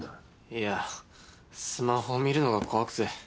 いやスマホを見るのが怖くて。